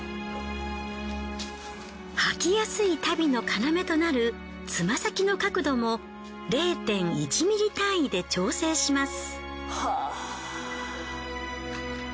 履きやすい足袋の要となるつま先の角度も０．１ｍｍ単位で調整します。